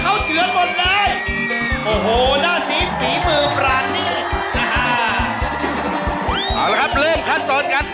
เอาละครับเริ่มคัดสนกัน